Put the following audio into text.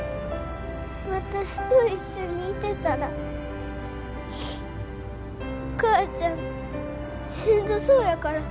私と一緒にいてたらお母ちゃんしんどそうやから。